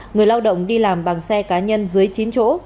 người lao động đi làm bằng xe cá nhân dưới chín chỗ